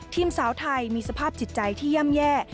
สาวไทยมีสภาพจิตใจที่ย่ำแย่